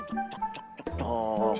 cuk cuk cuk cuk cuk